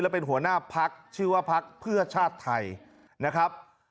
เป็นหัวหน้าพักชื่อว่าพักเพื่อชาติไทยนะครับ